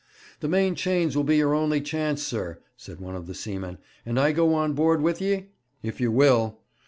'The main chains will be your only chance, sir,' said one of the seamen. 'Am I to go on board with ye?' 'If you will.'